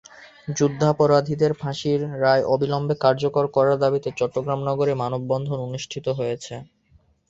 যুদ্ধাপরাধীদের ফাঁসির রায় অবিলম্বে কার্যকর করার দাবিতে চট্টগ্রাম নগরে মানববন্ধন অনুষ্ঠিত হয়েছে।